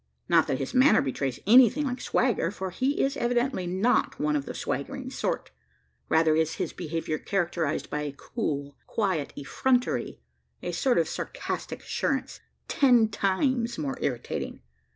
Not that his manner betrays anything like swagger for he is evidently not one of the swaggering sort. Rather is his behaviour characterised by a cool, quiet effrontery a sort of sarcastic assurance ten times more irritating.